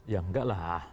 ya enggak lah